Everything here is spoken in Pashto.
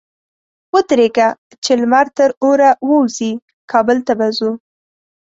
ودرېږه! چې لمر تر اوره ووزي؛ کابل ته به ځو.